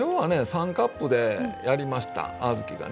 ３カップでやりました小豆がね。